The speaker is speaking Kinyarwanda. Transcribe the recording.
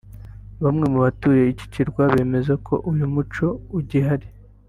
Bamwe mu batuye iki kirwa bemeza ko uyu muco ugihari